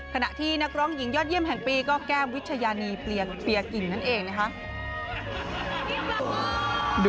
ขณะที่นักร้องหญิงยอดเยี่ยมแห่งปีก็แก้มวิชญานีเปียกิ่งนั่นเองนะคะ